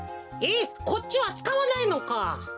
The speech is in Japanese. えっこっちはつかわないのか。